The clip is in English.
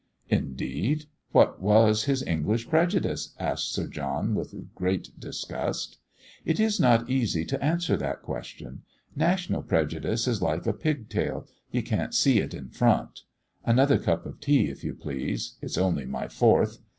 "Indeed! What was his English prejudice?" asked Sir John with great disgust. "It is not easy to answer that question. National prejudice is like a pig tail you can't see it in front. Another cup of tea, if you please, it's only my fourth.